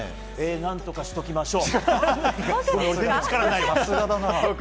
何とかしておきましょう。